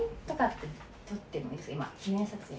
記念撮影。